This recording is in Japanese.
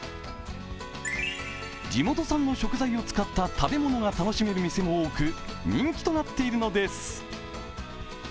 地元産の食材を使った食べ物が楽しめる店も多く人気となっているのです。